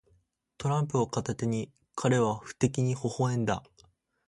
トランプを片手に、彼は不敵にほほ笑んだ。